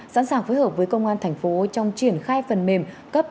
sẵn sàng phối hợp với công an thành phố trong triển khai phần mềm cấp